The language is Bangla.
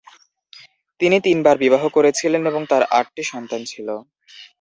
তিনি তিনবার বিবাহ করেছিলেন এবং তার আট টি সন্তান ছিল।